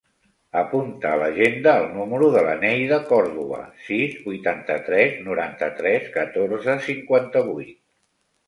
Apunta a l'agenda el número de la Neida Cordova: sis, vuitanta-tres, noranta-tres, catorze, cinquanta-vuit.